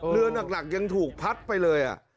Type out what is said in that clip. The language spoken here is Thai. เรือหลักยังถูกพัดไปเลย